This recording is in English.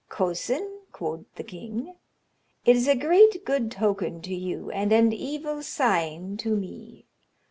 'Cosin,' quod the kynge, 'it is a great good token to you, and an evil sygne to me.'